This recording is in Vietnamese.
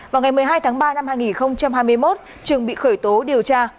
vào ngày một mươi hai tháng ba năm hai nghìn hai mươi một trường bị khởi tố điều tra